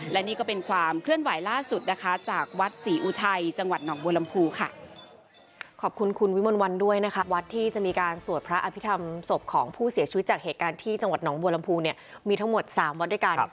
และนี่ก็เป็นความเคลื่อนไหวล่าสุดนะคะจากวัดศรีอุทัยจังหวัดหนองบัวลำพูค่ะ